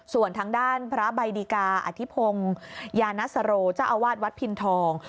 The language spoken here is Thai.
ส่วนทางด้านพระใบดิกาอธิพงศ์ยานัสโรเจ้าอาวาสวัดพินทอง